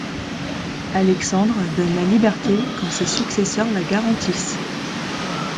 Alexandre donne la liberté quand ses successeurs la garantissent.